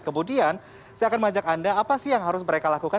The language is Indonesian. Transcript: kemudian saya akan mengajak anda apa sih yang harus mereka lakukan